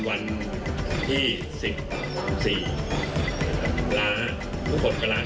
อันดับสุดท้าย